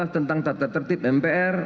tentang tata tertib mpr